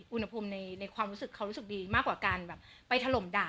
อุณหภูมิในความรู้สึกเขารู้สึกดีมากกว่าการแบบไปถล่มด่า